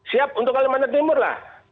siap untuk kalimantan timur lah